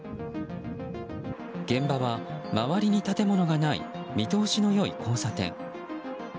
現場は周りに建物がない見通しの良い交差点。